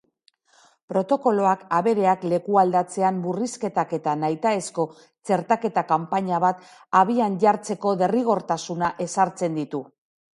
Protokoloak abereak lekualdatzean murrizketak eta nahitaezko txertaketa-kanpaina bat abian jartzeko derrigortasuna ezartzen ditu.